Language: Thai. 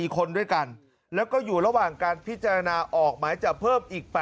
๔คนด้วยกันแล้วก็อยู่ระหว่างการพิจารณาออกหมายจับเพิ่มอีก๘